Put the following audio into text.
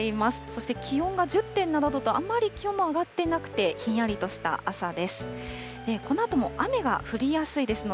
そして気温が１０．７度と、あんまり気温も上がってなくて、ひんやりとした朝です。